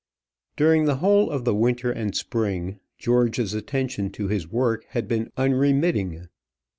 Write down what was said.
During the whole of the winter and spring, George's attention to his work had been unremitting.